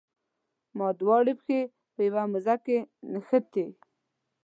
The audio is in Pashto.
ما دواړه پښې په یوه موزه کې ننویستي.